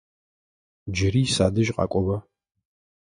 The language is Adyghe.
Джыри садэжь къакӏоба!